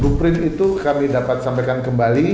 blueprint itu kami dapat sampaikan kembali